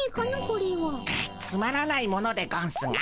これは。つまらないものでゴンスが。